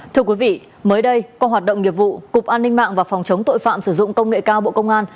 thưa quý vị mới đây qua hoạt động nghiệp vụ cục an ninh mạng và phòng chống tội phạm sử dụng công nghệ cao bộ công an